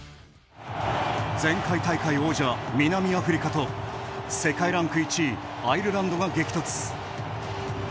前回大会王者、南アフリカと世界ランク１位アイルランドが激突。